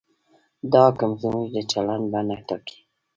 دا حکم زموږ د چلند بڼه ټاکي.